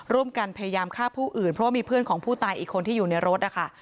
ร่วมกันพยายามฆ่าผู้อื่นเพราะว่ามีเพื่อนของผู้ตายอีกคนที่อยู่ในรถนะคะ